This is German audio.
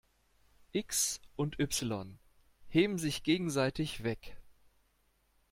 x und y heben sich gegenseitig weg.